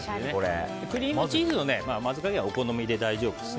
クリームチーズの混ぜ加減はお好みで大丈夫です。